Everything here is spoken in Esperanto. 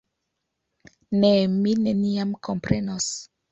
Ne, mi neniam komprenos.